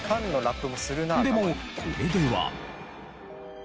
でもこれでは。